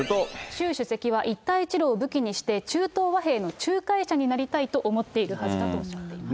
習主席は一帯一路を武器にして、中東和平の仲介者になりたいと思っているはずだと語っています。